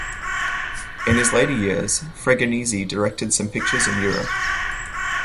In his later years, Fregonese directed some pictures in Europe.